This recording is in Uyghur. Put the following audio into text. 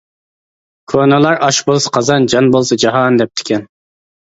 -كونىلار «ئاش بولسا قازان، جان بولسا جاھان» دەپتىكەن.